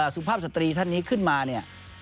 สุภาพสตรีท่านนี้ขึ้นมาเนี่ย